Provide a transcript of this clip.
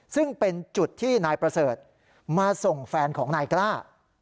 ซึ่งเป็นจุดที่นายประเสริฐมาส่งแฟนของนายกล้า